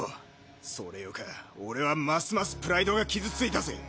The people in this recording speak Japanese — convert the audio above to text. それよか俺はますますプライドが傷ついたぜ。